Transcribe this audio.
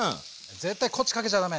絶対こっちかけちゃ駄目！